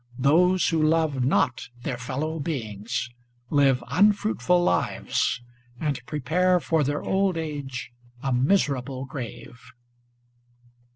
Those who love not their fellow beings live unfruitful lives and prepare for their old age a miserable grave.